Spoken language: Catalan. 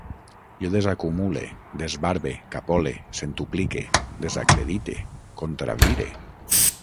Jo desacumule, desbarbe, capole, centuplique, desacredite, contravire